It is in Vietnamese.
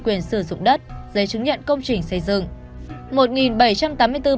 quyền sử dụng đất giấy chứng nhận công trình xây dựng